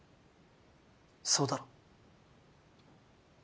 そうだろ？